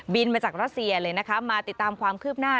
มาจากรัสเซียเลยนะคะมาติดตามความคืบหน้า